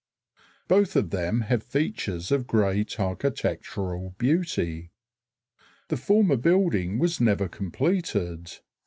Both of them have features of great architectural beauty. The former building was never completed.